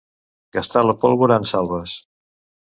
Gastar la pólvora en salves.